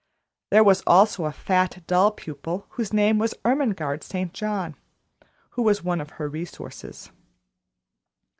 There was also a fat, dull pupil, whose name was Ermengarde St. John, who was one of her resources.